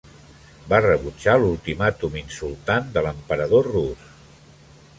Va rebutjar l'ultimàtum insultant de l'emperador rus.